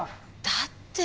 だって。